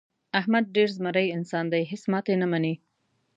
احمد ډېر زمری انسان دی. هېڅ ماتې نه مني.